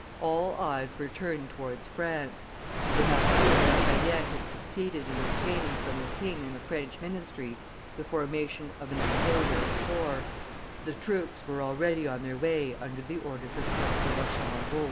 All eyes were turned towards France; the Marquis of La Fayette had succeeded in obtaining from the king and the French ministry the formation of an auxiliary corps; the troops were already on their way under the orders of Count de Rochambeau.